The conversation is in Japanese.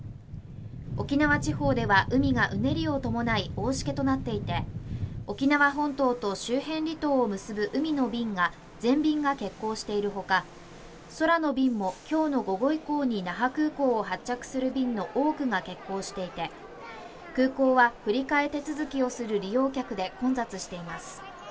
沖縄地方では海がうねりを伴い大しけとなっていて沖縄本島と周辺離島を結ぶ海の便が全便が欠航しているほか空の便もきょうの午後以降に那覇空港を発着する便の多くが欠航していて空港は振り替え手続きをする利用客で混雑しています